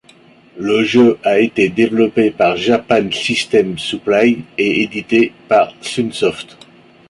Le jeu a été développé par Japan System Supply et édité par Sunsoft.